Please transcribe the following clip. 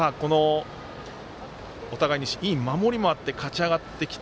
お互いにいい守りもあって勝ち上がってきた